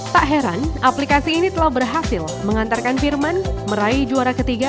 tak heran aplikasi ini telah berhasil mengantarkan firman meraih juara ketiga